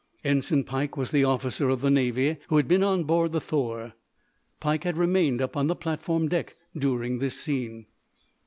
Ensign Pike was the officer of the Navy who had been on board the "Thor." Pike had remained up on the platform deck during this scene.